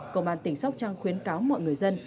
công an tỉnh sóc trăng khuyến cáo mọi người dân